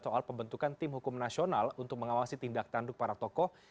soal pembentukan tim hukum nasional untuk mengawasi tindak tanduk para tokoh